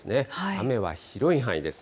雨は広い範囲です。